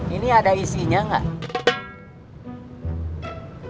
ini ada isinya gak